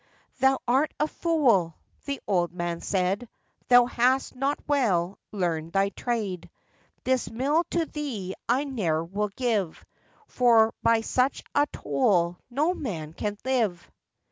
'Thou art a fool!' the old man said, 'Thou hast not well learned thy trade; This mill to thee I ne'er will give, For by such toll no man can live.